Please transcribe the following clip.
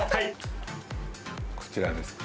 こちらですか？